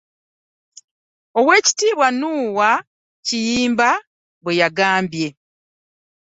Oweekitiibwa Noah Kiyimba bwe yagambye.